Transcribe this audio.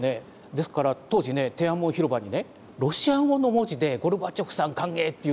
ですから当時ね天安門広場にねロシア語の文字で「ゴルバチョフさん歓迎」っていうね